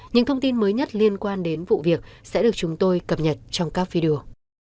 những thông tin mới nhất liên quan đến vụ việc sẽ được chúng tôi cập nhật trong các video